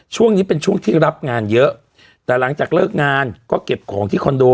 ช่วงนี้เป็นช่วงที่รับงานเยอะแต่หลังจากเลิกงานก็เก็บของที่คอนโด